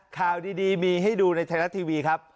ข่าวดีมีให้ดูในไทรัตน์ทีวี